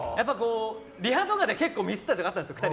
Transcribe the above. リハとかで結構ミスったりとかあったんですよ。